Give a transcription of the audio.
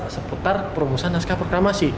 seputar perumusan naskah proklamasi